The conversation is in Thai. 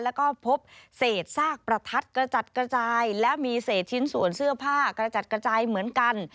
แล้วก็พบเศษซากประทัดกระจัดกระจายและมีเศษชิ้นส่วนเสื้อผ้ากระจัดกระจายเหมือนกัน